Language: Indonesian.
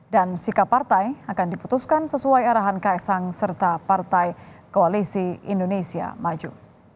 dan sikap partai akan diputuskan sesuai arahan ks angpangarep serta partai koalisi indonesia maju